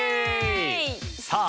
さあ